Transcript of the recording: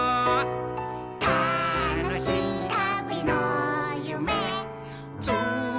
「たのしいたびのゆめつないでる」